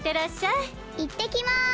いってきます！